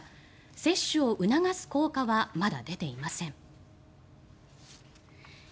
接種を促す効果はまだ出ていません。